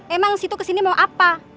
emang situ kesini mau apa